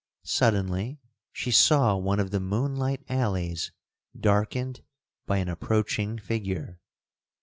Suddenly she saw one of the moonlight alleys darkened by an approaching figure.